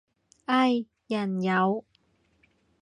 唉，人有